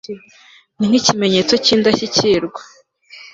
ni ikimenyetso cyindashyikirwa